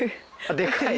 でかい？